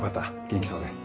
元気そうで。